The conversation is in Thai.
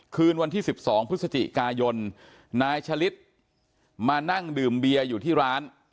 คืนวันที่๑๒พฤศจิกายนนายฉลิดมานั่งดื่มเบียร์อยู่ที่ร้าน